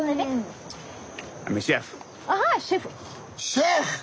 シェフ！